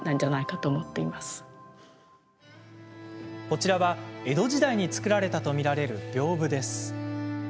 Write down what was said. こちらは江戸時代に作られたと見られるびょうぶです。